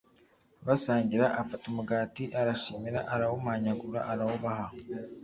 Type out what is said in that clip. basangira afata umugati arashimira arawumanyagura arawubaha